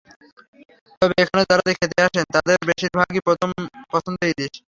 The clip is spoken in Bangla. তবে এখানে যাঁরা খেতে আসেন, তাঁদের বেশির ভাগেরই প্রথম পছন্দ ইলিশ।